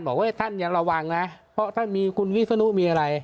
บอกว่าท่านยังระวังนะเพราะท่านมีคุณวิศนุมีอะไร